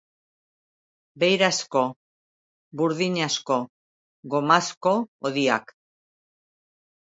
Beirazko, burdinazko, gomazko hodiak.